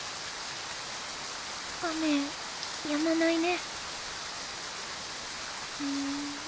雨やまないね。